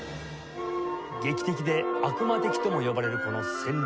劇的で悪魔的とも呼ばれるこの旋律。